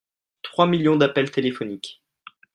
Trois millions d'appels téléphoniques.